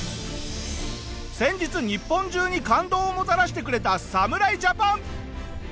先日日本中に感動をもたらしてくれた侍ジャパン。